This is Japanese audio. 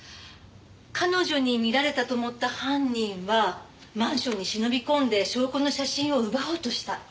彼女に見られたと思った犯人はマンションに忍び込んで証拠の写真を奪おうとした。